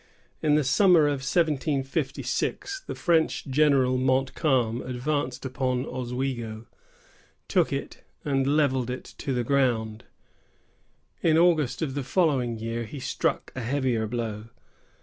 In the summer of 1756, the French general Montcalm advanced upon Oswego, took it, and levelled it to the ground. In August of the following year, he struck a heavier blow.